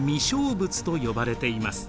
仏と呼ばれています。